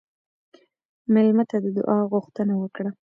مېلمه ته د دعا غوښتنه وکړه.